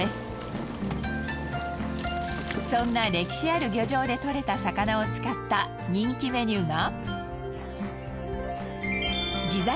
そんな歴史ある漁場で獲れた魚を使った人気メニューが。